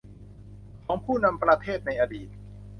ของผู้นำประเทศในอดีต